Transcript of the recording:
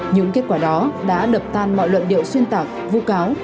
những kết quả đó đã đập tan mọi luận điệu xuyên tạc vu cáo